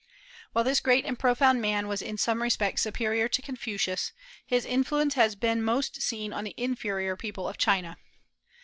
While this great and profound man was in some respects superior to Confucius, his influence has been most seen on the inferior people of China.